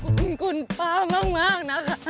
ขอบคุณคุณป้ามากนะคะ